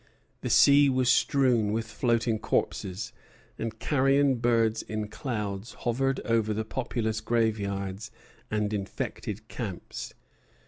The sea was strewn with floating corpses, and carrion birds in clouds hovered over the populous graveyards and infected camps.